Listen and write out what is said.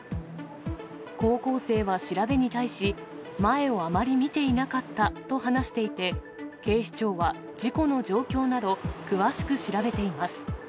高校生は調べに対し、前をあまり見ていなかったと話していて、警視庁は、事故の状況など、詳しく調べています。